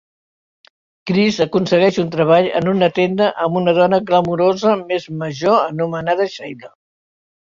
Chris aconsegueix un treball en una tenda amb una dona glamurosa més major anomenada Sheila.